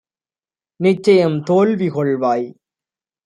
நிச்சயம் தோல்விகொள்வாய்!